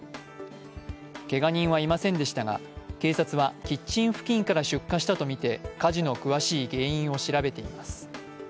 けが人はいませんでしたが、警察はキッチン付近から出火したとみて火事の詳しい原因を調べています。